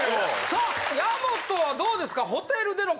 さあ矢本はどうですか？